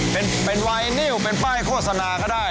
เป็นไวนิวเป็นป้ายโฆษณาก็ได้